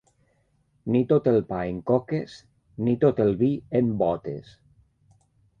Ni tot el pa en coques, ni tot el vi en botes.